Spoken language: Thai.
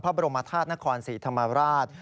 พระบรมธาตุนครศรีธรรมราช